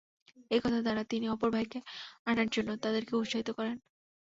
এ কথা দ্বারা তিনি অপর ভাইকে আনার জন্যে তাদেরকে উৎসাহিত করেন।